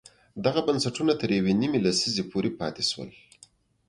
دغه بنسټونه تر یوې نیمې لسیزې پورې پاتې شول.